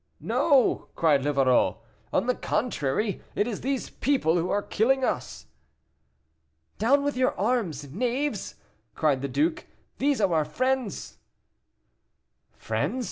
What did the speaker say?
"No!" cried Livarot, "on the contrary, it is these people who are killing us." "Down with your arms, knaves," cried the duke, "these are friends." "Friends!"